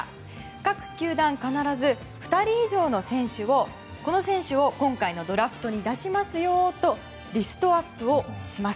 各球団必ず２人以上の選手をこの選手を今回のドラフトに出しますよとリストアップをします。